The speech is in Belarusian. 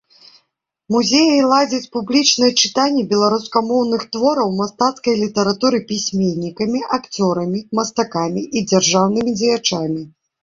Музеі ладзяць публічныя чытанні беларускамоўных твораў мастацкай літаратуры пісьменнікамі, акцёрамі, мастакамі і дзяржаўнымі дзеячамі.